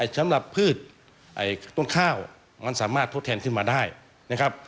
พืชต้นข้าวมันสามารถทดแทนขึ้นมาได้นะครับ